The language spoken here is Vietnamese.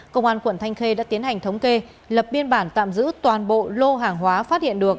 công an quận thanh khê đã tiến hành thống kê lập biên bản tạm giữ toàn bộ lô hàng hóa phát hiện được